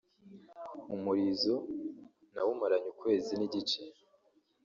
” Umurizo nawumaranye ukwezi n’igice